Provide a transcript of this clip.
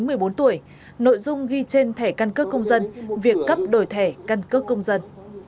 người dưới một mươi bốn tuổi nội dung ghi trên thẻ căn cấp công dân việc cấp đổi thẻ căn cấp công dân